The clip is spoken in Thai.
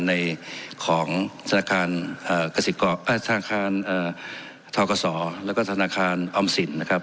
ในของธนาคารทกศแล้วก็ธนาคารออมสินนะครับ